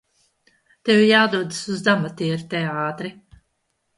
Tev jādodas uz amatierteātri!